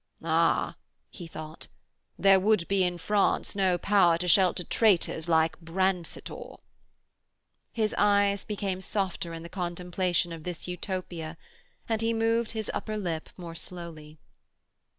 'Ah,' he thought, 'there would be in France no power to shelter traitors like Brancetor.' His eyes became softer in the contemplation of this Utopia, and he moved his upper lip more slowly.